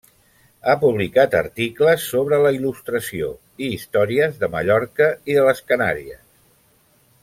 Ha publicat articles sobre la Il·lustració i històries de Mallorca i de les Canàries.